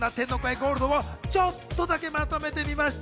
ゴールドをちょっとだけまとめてみました。